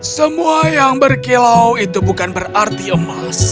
semua yang berkilau itu bukan berarti emas